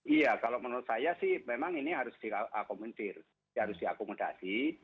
iya kalau menurut saya sih memang ini harus diakomodasi